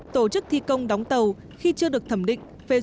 tổ chức thi công đóng tàu khi chưa được thử nghiệm